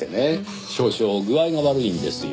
少々具合が悪いんですよ。